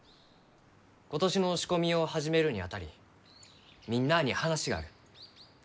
今年の仕込みを始めるにあたりみんなあに話がある。